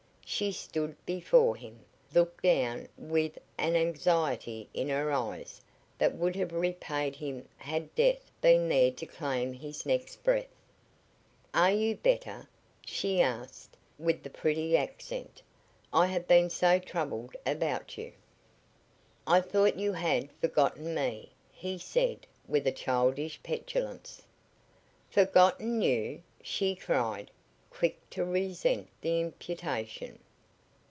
She stood before him, looking down with an anxiety in her eyes that would have repaid him had death been there to claim his next breath. "Are you better?" she asked, with her pretty accent. "I have been so troubled about you." "I thought you had forgotten me," he said, with childish petulance. "Forgotten you!" she cried, quick to resent the imputation.